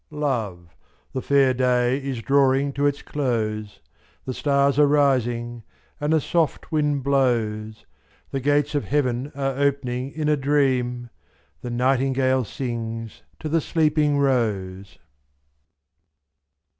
Love, the fair day is drawing to its close. The stars are rising, and a soft wind blows, 2*^The gates of heaven are opening in a dream — The nightingale sings to the sleeping rose.